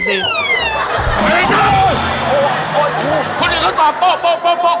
คนอื่นเขาตอบโป๊ะ